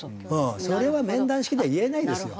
それは面談式では言えないですよ。